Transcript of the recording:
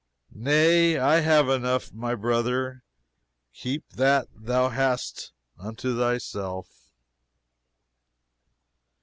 "Nay, I have enough, my brother; keep that thou hast unto thyself!"